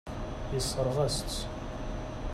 Yessṛeɣ-as-tt.